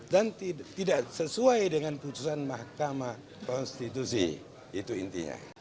dan tidak sesuai dengan keputusan mahkamah konstitusi itu intinya